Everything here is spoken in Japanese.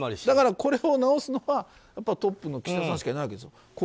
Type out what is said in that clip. だから、これを直すのはやっぱりトップの岸田さんしかいないわけです。